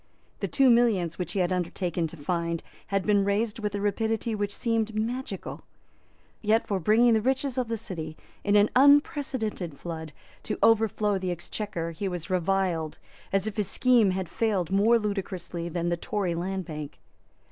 The two millions which he had undertaken to find had been raised with a rapidity which seemed magical. Yet for bringing the riches of the City, in an unprecedented flood, to overflow the Exchequer he was reviled as if his scheme had failed more ludicrously than the Tory Land Bank.